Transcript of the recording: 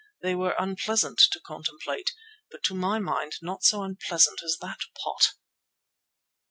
They were unpleasant to contemplate, but to my mind not so unpleasant as that pot.